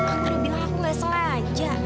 aku bilang aku gak sengaja